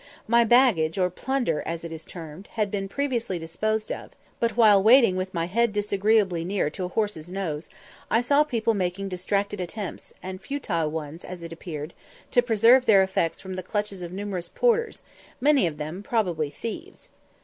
My baggage, or "plunder" as it is termed, had been previously disposed of, but, while waiting with my head disagreeably near to a horse's nose, I saw people making distracted attempts, and futile ones as it appeared, to preserve their effects from the clutches of numerous porters, many of them probably thieves.